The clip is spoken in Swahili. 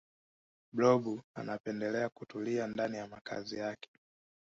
blob anapendelea kutulia ndani ya makazi yake